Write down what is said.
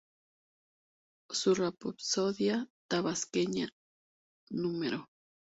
Su “Rapsodia Tabasqueña No.